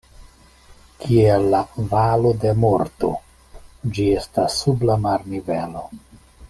Kiel la Valo de Morto, ĝi estas sub la marnivelo.